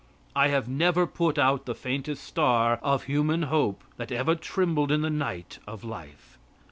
I have never put out the faintest star of human hope that ever trembled in the night of life.